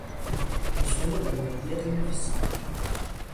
اصول بنیادی علم فیزیک